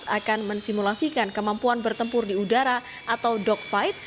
akan mensimulasikan kemampuan bertempur di udara atau dogfight